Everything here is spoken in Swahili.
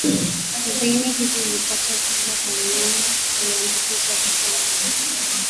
viini hivi huvipata kutoka kwa mnyama aliyeambukizwa wakati wanapomnyonya au kumfyonza damu yake